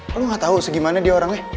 lo gak tau segimana dia orangnya